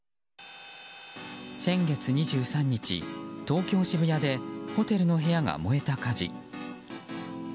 先月２３日、東京・渋谷でホテルの部屋が燃えた火事。